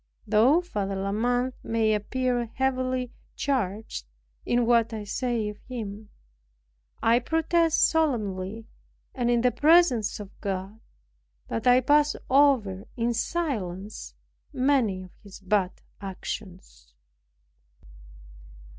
Though Father La Mothe may appear heavily charged in what I say of him, I protest solemnly, and in the presence of God, that I pass over in silence many of his bad actions.